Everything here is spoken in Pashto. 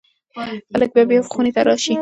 هلک به بیا خونې ته راشي.